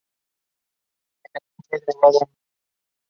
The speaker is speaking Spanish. La canción fue grabada en Los Ángeles.